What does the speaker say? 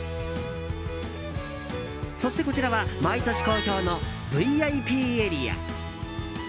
そして、こちらは毎年好評のＶＩＰエリア。